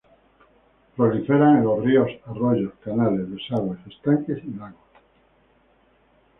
Proliferan en los ríos, arroyos, canales, desagües, estanques y lagos.